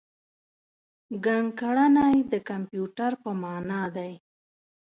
ګڼکړنی د کمپیوټر په مانا دی.